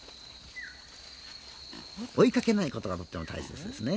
追いかけないことがとても大切ですね。